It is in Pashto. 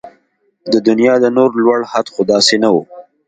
د دنيا د نور لوړ حد خو داسې نه و